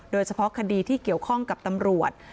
โดยเฉพาะคดีที่เกี่ยวข้องกับตำรวจ